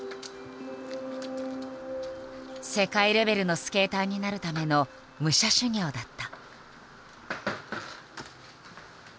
世界レベルのスケーターになるための武者修行だった。